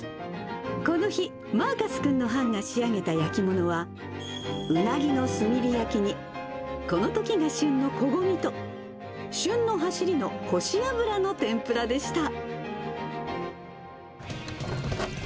この日、マーカス君の班が仕上げた焼き物はうなぎの炭火焼きに、このときが旬のこごみと旬のはしりのコシアブラの天ぷらでした。